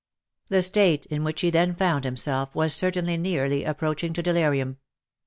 The state in which he then found himself was certainly nearly approach ing to delirium.